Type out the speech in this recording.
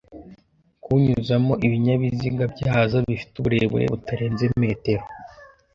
kuwunyuzamo ibinyabiziga byazo bifite uburebure butarenze metero